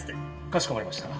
かしこまりました。